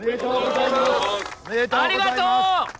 ありがとう！